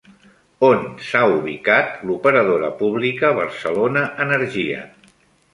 On s'ha ubicat l'operadora pública Barcelona Energia?